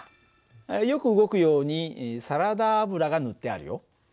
よく動くようにサラダ油が塗ってあるよ。